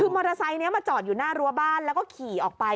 คือมอเตอร์ไซค์นี้มาจอดอยู่หน้ารั้วบ้านแล้วก็ขี่ออกไป